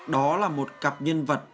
đó là một cặp nhân vật